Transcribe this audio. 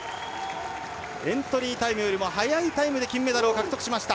エントリータイムよりも速いタイムで金メダルを獲得しました。